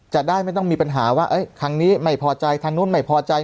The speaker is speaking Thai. จะได้ไม่ต้องมีปัญหาว่าครั้งนี้ไม่พอใจทางนู้นไม่พอใจ